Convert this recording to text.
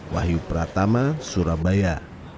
wahyu pratama surabaya